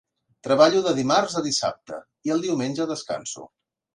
Treballo de dimarts a dissabte, i el diumenge descanso.